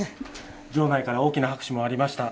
場内から大きな拍手もありました。